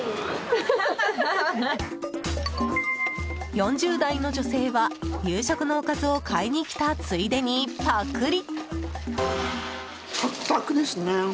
４０代の女性は夕食のおかずを買いに来たついでにパクリ！